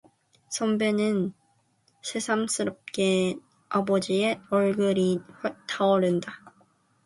선비는 새삼스럽게 아버지의 얼굴이 휙 떠오른다.